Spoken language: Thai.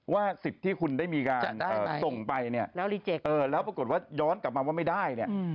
สิทธิ์ที่คุณได้มีการส่งไปเนี่ยแล้วปรากฏว่าย้อนกลับมาว่าไม่ได้เนี่ย